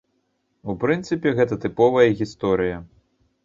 У прынцыпе, гэта тыповая гісторыя.